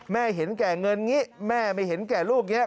แม่เห็นแก่เงินนี้แม่ไม่เห็นแก่ลูกนี้